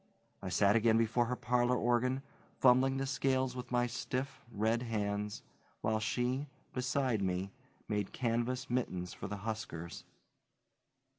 I sat again before her parlor organ, fumbling the scales with my stiff, red hands, while she, beside me, made canvas mittens for the huskers.